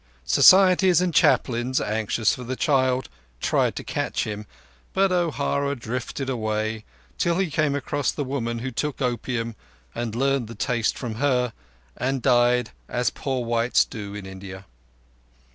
Societies and chaplains, anxious for the child, tried to catch him, but O'Hara drifted away, till he came across the woman who took opium and learned the taste from her, and died as poor whites die in India.